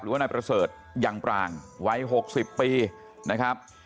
หรือว่านายประเสริฐอย่างปร่างไว้หกสิบปีนะครับ